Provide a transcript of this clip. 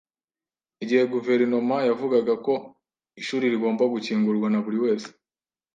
igihe guverinoma yavugaga ko ishuri rigomba gukingurwa na buri wese.